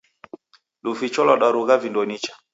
Luficho lwadarugha vindo nicha.